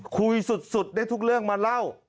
คุยสุดได้ทุกเรื่องมาเล่า